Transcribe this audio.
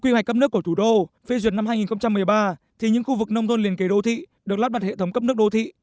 khu vực nông thôn liên kế đô thị được lắp đặt hệ thống cấp nước đô thị